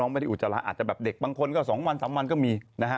ไม่ได้อุจจาระอาจจะแบบเด็กบางคนก็๒วัน๓วันก็มีนะฮะ